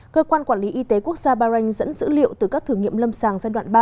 cơ quan quản lý y tế quốc gia bahrain dẫn dữ liệu từ các thử nghiệm lâm sàng giai đoạn ba